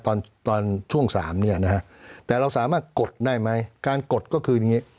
ตอนตอนช่วงสามเนี่ยนะฮะแต่เราสามารถกดได้ไหมการกดก็คืออย่างนี้